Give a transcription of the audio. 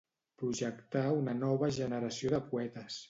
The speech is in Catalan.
Projectar la nova generació de poetes.